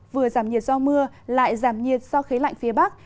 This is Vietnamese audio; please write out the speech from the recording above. vừa giảm nhiệt do mưa lại giảm nhiệt do khí lạnh phía bắc